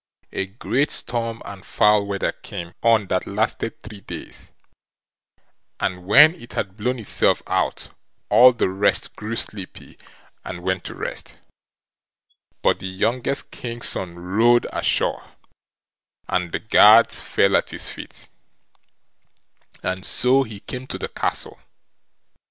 A great storm and foul weather came on that lasted three days, and when it had blown itself out, all the rest grew sleepy and went to rest; but the youngest King's son rowed ashore, and the guards fell at his feet, and so he came to the castle.